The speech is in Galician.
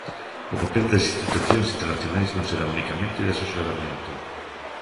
O papel das institucións internacionais non será unicamente de asesoramento.